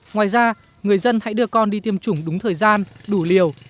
ngoài ra người dân hãy đưa con đi tiêm chủng đúng thời gian đủ liều